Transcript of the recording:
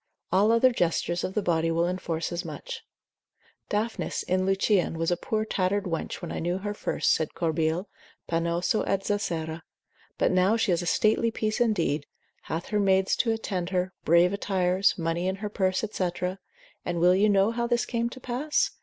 All other gestures of the body will enforce as much. Daphnis in Lucian was a poor tattered wench when I knew her first, said Corbile, pannosa et Zacera, but now she is a stately piece indeed, hath her maids to attend her, brave attires, money in her purse, &c., and will you know how this came to pass?